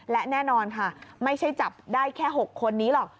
และแน่นอนค่ะไม่ใช่จับได้แค่๖คนนี้หรอก